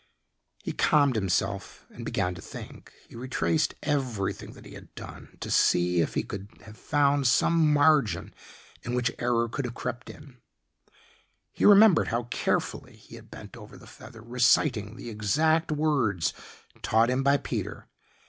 He calmed himself and began to think. He retraced everything that he had done to see if he couldn't have found some margin in which error could have crept in. He remembered how carefully he had bent over the feather reciting the exact words taught him by Peter.